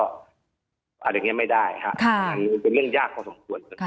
อาจจะไม่ได้มันเป็นเรื่องยากพอสมควร